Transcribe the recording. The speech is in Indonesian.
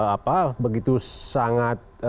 apa begitu sangat